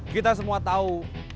kita semua tahu